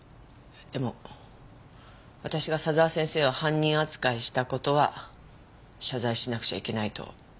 でも私が佐沢先生を犯人扱いした事は謝罪しなくちゃいけないと。